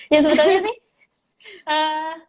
ya sebetulnya ini